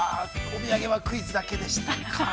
お土産はクイズだけでしたか。